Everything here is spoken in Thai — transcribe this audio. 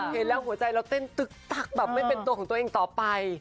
เห็นแล้วหัวใจเราเต้นตึ๊กตั๊กแบบไม่เป็นตัวของตัวเองต่อไป